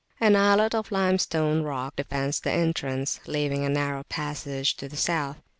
An islet of limestone rock defends the entrance, leaving a narrow passage to the south.